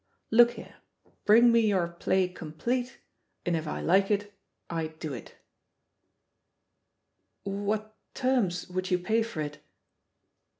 ... Look here, bring me your play complete, and if I like it, I do it I" "What terms would you pay for it?"